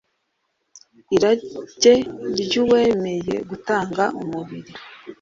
Irage ry uwemeye gutanga umubiri